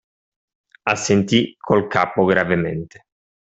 Assentí col capo gravemente.